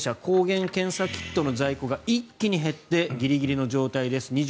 抗原検査キットの在庫が一気に減ってギリギリの状態です